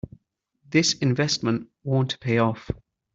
This investment won't pay off.